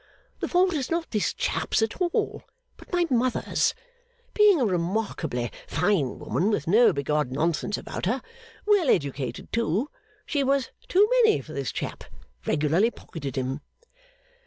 The fault is not this chap's at all, but my mother's. Being a remarkably fine woman with no bigodd nonsense about her well educated, too she was too many for this chap. Regularly pocketed him.